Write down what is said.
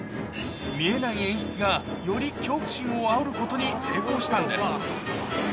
見えない演出がより恐怖心をあおることに成功したんです。